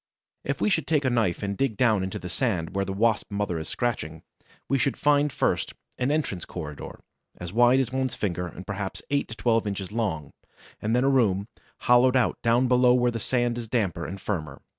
If we should take a knife and dig down into the sand where the Wasp mother is scratching, we should find, first, an entrance corridor, as wide as one's finger, and perhaps eight to twelve inches long, and then a room, hollowed out down below where the sand is damper and firmer.